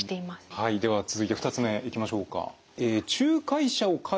はいでは続いて２つ目いきましょうか。